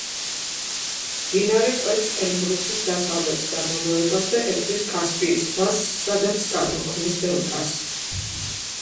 მდინარე კვეთს ელბურსის დასავლეთ დაბოლოებას და ერთვის კასპიის ზღვას, სადაც წარმოქმნის დელტას.